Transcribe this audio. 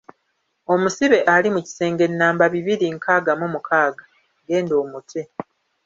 Omusibe ali mu kisenge nnamba bibiri nkaaga mu mukaaga genda omute.